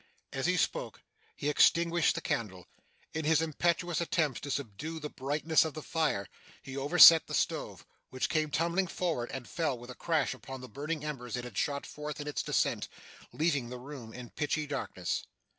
As he spoke, he extinguished the candle. In his impetuous attempts to subdue the brightness of the fire, he overset the stove, which came tumbling forward, and fell with a crash upon the burning embers it had shot forth in its descent, leaving the room in pitchy darkness.